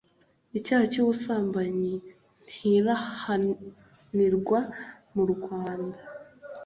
icyaha cy’ubusambanyi ntirahanirwa mu rwanda